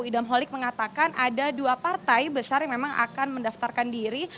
idam holik mengatakan ada dua partai besar yang memang akan mendaftarkan diri